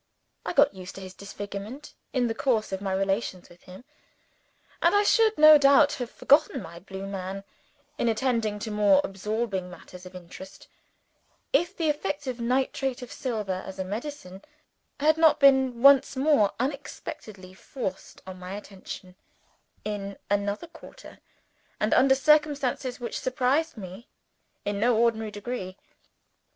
I got used to his disfigurement in the course of my relations with him; and I should no doubt have forgotten my blue man in attending to more absorbing matters of interest, if the effects of Nitrate of Silver as a medicine had not been once more unexpectedly forced on my attention, in another quarter, and under circumstances which surprised me in no ordinary degree.